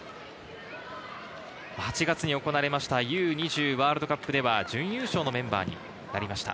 ８月に行われたＵ−２０ワールドカップでは準優勝のメンバーになりました。